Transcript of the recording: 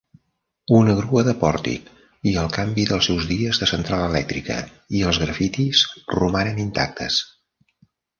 Una grua de pòrtic i el canvi dels seus dies de central elèctrica i els grafitis romanen intactes.